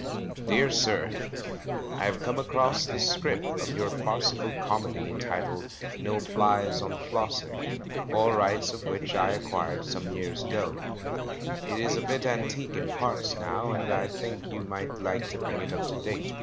*'T. R., Hetton Le Hole, Durham, May 1st. "Dear Sir, — I have come across the scrip of your farcical comedy entitled No Flies on Flossie^ all rights of which I acquired some years ago. It is a bit antique in parts now, and I think you might like to bring it up to date.